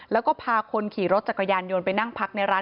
แล้วก็พาคนขี่รถจักรยานยนต์ไปนั่งพักในร้าน